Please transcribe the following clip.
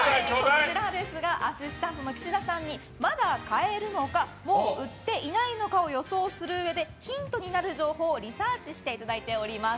アシスタントの岸田さんにまだ買えるのかもう売ってないのかを予想するうえでヒントになる情報をリサーチしていただいております。